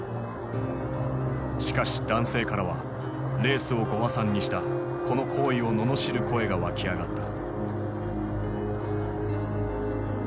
しかし男性からはレースをご破算にしたこの行為を罵る声が湧き上がった。